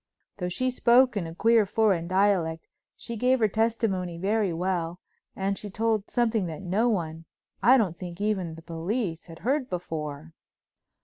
Though she spoke in a queer, foreign dialect, she gave her testimony very well and she told something that no one—I don't think even the police—had heard before.